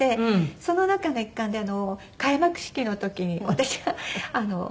その中の一環で開幕式の時に私が。